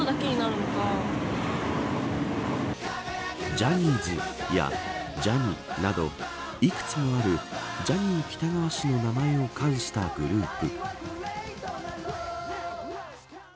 ジャニーズやジャニなど幾つもあるジャニー喜多川氏の名前を冠したグループ。